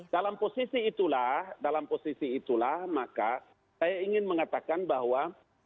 dalam posisi itulah dalam posisi itulah maka saya ingin mengatakan bahwa